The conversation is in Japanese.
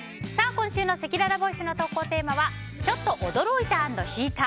今週のせきららボイスの投稿テーマはちょっと驚いた＆引いた！